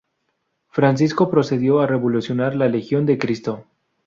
Francisco procedió a revolucionar la Legión de Cristo.